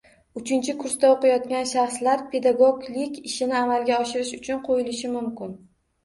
Uchinchi kursda o‘qiyotgan shaxslar pedagoglik ishini amalga oshirish uchun qo‘yilishi mumkin